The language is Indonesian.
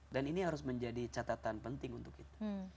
dan ini harus menjadi catatan penting untuk kita